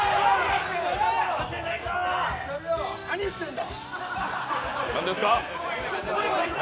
何を言ってんだ。